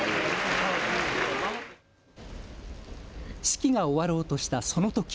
式が終わろうとしたそのとき。